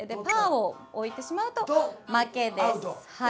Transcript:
パーを置いてしまうと負けです。